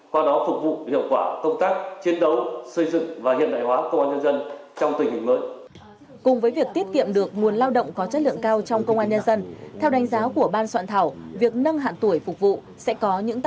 qua đó phục vụ hiệu quả công tác chiến đấu xây dựng và hiện đại hóa công an nhân dân trong tình hình mới